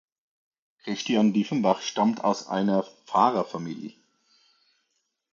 Christian Dieffenbach stammt aus einer Pfarrerfamilie.